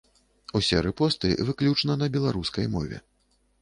Усе рэпосты выключна на беларускай мове.